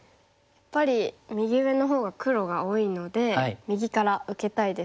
やっぱり右上のほうが黒が多いので右から受けたいですか。